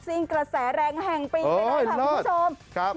ซิ่งกระแสแรงแห่งปีนไปแล้วค่ะคุณผู้ชม